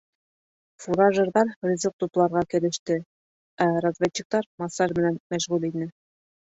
Фуражерҙар ризыҡ тупларға кереште, ә разведчиктар массаж менән мәшғүл ине.